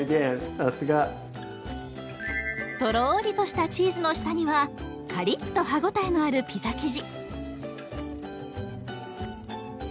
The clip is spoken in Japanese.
さすが！とろりとしたチーズの下にはカリッと歯応えのあるピザ生地。